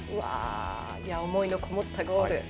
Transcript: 思いのこもったゴール。